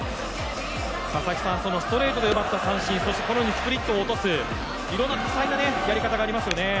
そのストレートで奪った三振そしてこのようにスプリットで落とすいろんな多彩なやり方がありますよね。